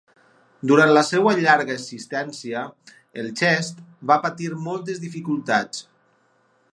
Durant la seva llarga existència, el Chest va patir moltes dificultats.